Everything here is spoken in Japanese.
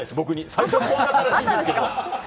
最初あったらしいんですけど。